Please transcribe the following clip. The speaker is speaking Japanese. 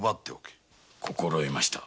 心得ました。